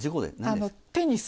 テニス。